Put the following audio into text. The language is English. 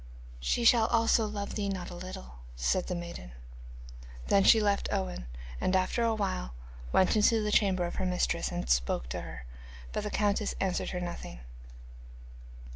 'She shall also love thee not a little,' said the maiden. Then she left Owen, and after a while went into the chamber of her mistress, and spoke to her, but the countess answered her nothing.